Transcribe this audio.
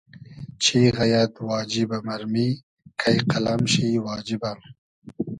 چی غئیئد واجیبۂ مئرمی کݷ قئلئم شی واجیبۂ